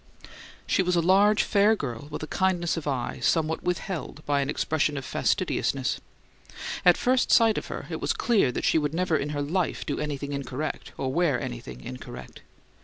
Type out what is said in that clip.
She was a large, fair girl, with a kindness of eye somewhat withheld by an expression of fastidiousness; at first sight of her it was clear that she would never in her life do anything "incorrect," or wear anything "incorrect."